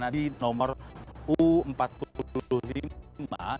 selain karena prestasinya yang berhasil keluar sebagai juara umum memang salah yang terjadi pada bayu lesman